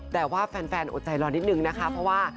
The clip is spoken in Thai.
แต่ว่าแฟนอดใจรอนิดนึงนะคะเพราะว่า